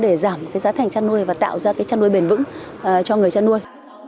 để giảm giá thành chăn nuôi và tạo ra cái chăn nuôi bền vững cho người chăn nuôi